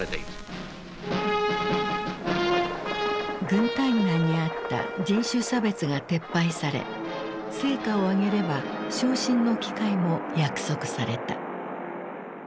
軍隊内にあった人種差別が撤廃され成果を上げれば昇進の機会も約束された。